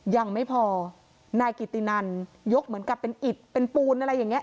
ยังไม่พอนายกิตินันยกเหมือนกับเป็นอิดเป็นปูนอะไรอย่างนี้